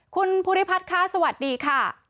คุณภูริพัฒน์ค่ะสวัสดีค่ะ